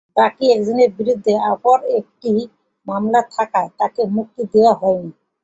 বাকি একজনের বিরুদ্ধে অপর একটি মামলা থাকায় তাঁকে মুক্তি দেওয়া হয়নি।